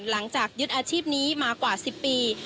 หลังจากยึดอาชีพนี้มากว่า๑๐ปี